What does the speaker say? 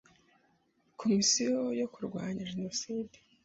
Komisiyo yo kurwanya Jenoside